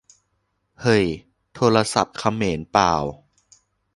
เฮ่ย โทรศัพท์เขมรป่าว !